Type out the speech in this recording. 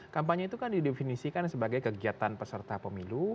kampanye itu kan didefinisikan sebagai kegiatan peserta pemilu